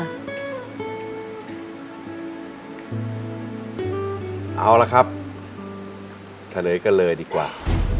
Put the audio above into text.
เอาละครับทะเลกะเลดีกว่า